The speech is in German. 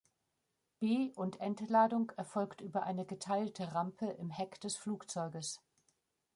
Be- und Entladung erfolgt über eine geteilte Rampe im Heck des Flugzeuges.